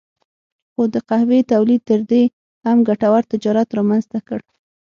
خو د قهوې تولید تر دې هم ګټور تجارت رامنځته کړ.